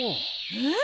うん！